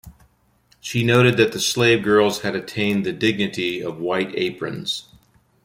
She noted that the slave girls had attained the dignity of white aprons.